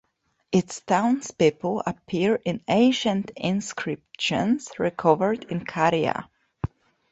Its townspeople appear in ancient inscriptions recovered in Caria.